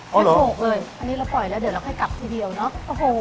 ไม่ถูกเลยอันนี้เราปล่อยแล้วเดี๋ยวเราค่อยกลับทีเดียวเนาะโอ้โห